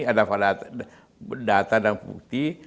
ada data dan bukti